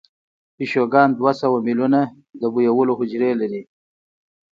پیشوګان دوه سوه میلیونه د بویولو حجرې لري.